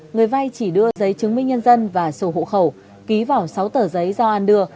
người vay chỉ đưa giấy chứng minh nhân dân và sổ hộ khẩu ký vào sáu tờ giấy do an đưa